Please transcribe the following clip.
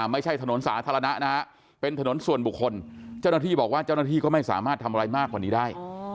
ไม่ใช่ถนนสาธารณะนะฮะเป็นถนนส่วนบุคคลเจ้าหน้าที่บอกว่าเจ้าหน้าที่ก็ไม่สามารถทำอะไรมากกว่านี้ได้